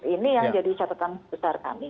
ini yang jadi catatan besar kami